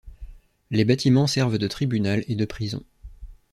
Les bâtiments servent de tribunal et de prison.